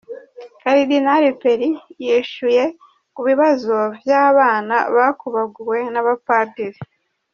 Cardinal Pell yishuye ku bibazo vy'abana bakubaguwe n'abapadiri.